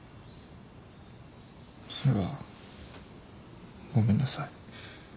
それはごめんなさい。